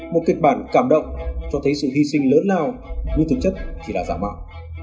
một kịch bản cảm động cho thấy sự hy sinh lớn lao nhưng thực chất chỉ là giả mạo